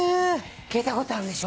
聞いたことあるでしょ。